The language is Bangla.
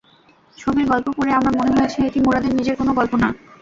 ছবির গল্প পড়ে আমার মনে হয়েছে এটি মুরাদের নিজের কোনো গল্প না।